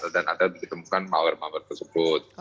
dan ada ditemukan malware malware tersebut